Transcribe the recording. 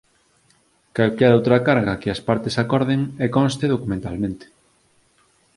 Calquera outra carga que as partes acorden e conste documentalmente.